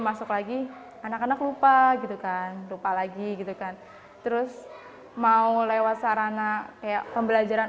masuk lagi anak anak lupa gitu kan lupa lagi gitu kan terus mau lewat sarana kayak pembelajaran